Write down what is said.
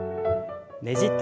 ねじって。